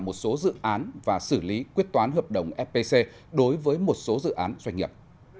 một số dự án và xử lý quyết toán hợp đồng fpc đối với một số dự án doanh nghiệp